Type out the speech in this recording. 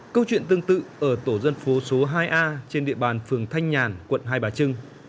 câu chuyện tương tự ở tổ dân phố số hai a trên địa bàn phường thanh nhàn quận hai bà trưng